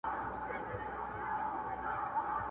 د هیله مندۍ په دې ارزښمنه ډالۍ نازولی وم!